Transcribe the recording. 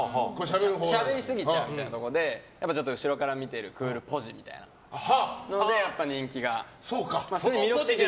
しゃべりすぎちゃうみたいなところでやっぱり、後ろから見ているクールポジみたいなので人気、魅力が。